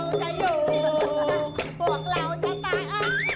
พวกเราจะตายพวกเราจะอยู่เพราะว่าพวกเรายังมีนี่อยู่